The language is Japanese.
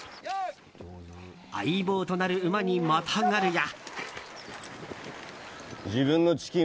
相棒となる馬にまたがるや。